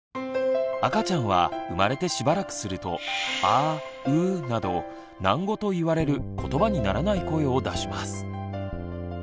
赤ちゃんは生まれてしばらくすると「あー」「うー」など喃語と言われることばにならない声を出します。